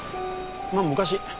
まあ昔。